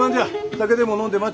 酒でも飲んで待っ